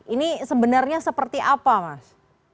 ini sebenarnya seperti apa mas